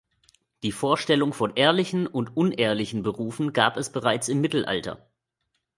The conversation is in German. Die Vorstellung von ehrlichen und unehrlichen Berufen gab es bereits im Mittelalter.